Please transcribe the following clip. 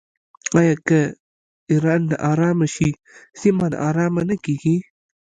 آیا که ایران ناارامه شي سیمه ناارامه نه کیږي؟